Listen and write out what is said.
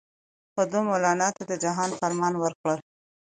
خو ده مولنا ته د جهاد فرمان ورکړ.